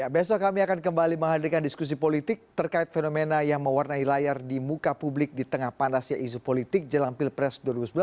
besok kami akan kembali menghadirkan diskusi politik terkait fenomena yang mewarnai layar di muka publik di tengah panasnya isu politik jelang pilpres dua ribu sembilan belas